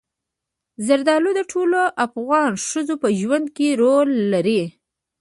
زردالو د ټولو افغان ښځو په ژوند کې رول لري.